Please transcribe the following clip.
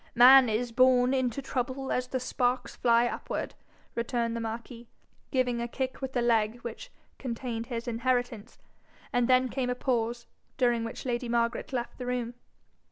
'Man is born unto trouble as the sparks fly upward,' returned the marquis, giving a kick with the leg which contained his inheritance; and then came a pause, during which lady Margaret left the room.